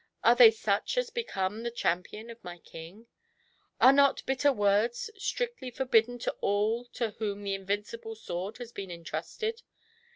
are they such as be come the champion of my King ? Are not * bitter words ' strictly forbidden to all to whom the invincible sword has been entrusted?